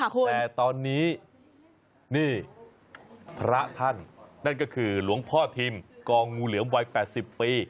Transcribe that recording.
แต่ตอนนี้นี่พระท่านนั่นก็คือหลวงพ่อทิมกองงูเหลือมวัย๘๐ปี